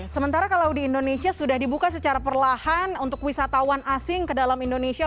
sementara kalau di indonesia sudah dibuka secara perlahan untuk wisatawan asing ke dalam indonesia